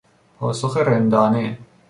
پاسخ رندانه